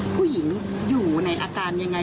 ผู้หญิงอยู่ในอาการยังไง